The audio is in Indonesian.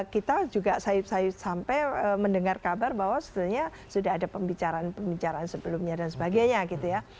kita juga sayup sayup sampai mendengar kabar bahwa sebenarnya sudah ada pembicaraan pembicaraan sebelumnya dan sebagainya gitu ya